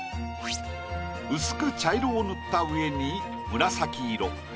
薄く茶色を塗った上に紫色